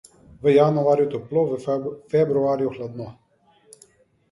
V januarju toplo, v februarju hladno.